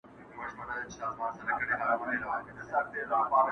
o ازمايښت اول په کال و، اوس په گړي دئ٫